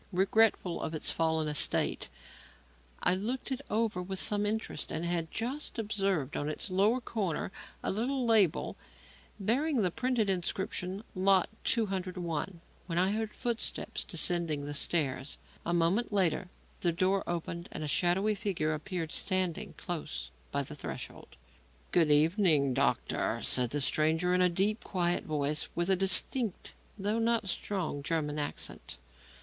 Regretful of its fallen estate, I looked it over with some interest and had just observed on its lower corner a little label bearing the printed inscription "Lot 201" when I heard footsteps descending the stairs. A moment later the door opened and a shadowy figure appeared standing close by the threshold. "Good evening, doctor," said the stranger, in a deep, quiet voice and with a distinct, though not strong, German accent.